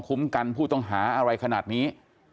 กันผู้ต้องหาอะไรขนาดนี้